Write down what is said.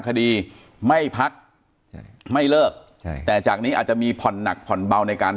คดีไม่พักใช่ไม่เลิกใช่แต่จากนี้อาจจะมีผ่อนหนักผ่อนเบาในการ